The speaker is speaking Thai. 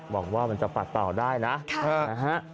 บอกว่ามันจะปัดเป่าได้นะนะฮะ